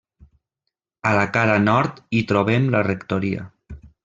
A la cara nord hi trobem la rectoria.